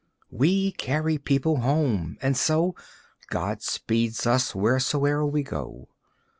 We carry people home and so God speeds us, wheresoe'er we go.